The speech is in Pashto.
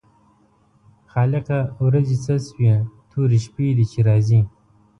خالقه ورځې څه شوې تورې شپې دي چې راځي.